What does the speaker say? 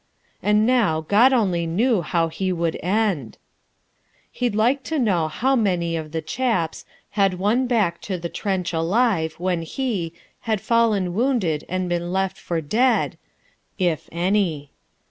And now, God only knew how he would end! He'd like to know how many of the chaps Had won back to the trench alive, when he Had fallen wounded and been left for dead, If any!...